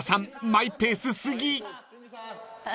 マイペース過ぎ］